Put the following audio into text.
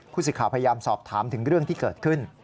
สิทธิ์พยายามสอบถามถึงเรื่องที่เกิดขึ้น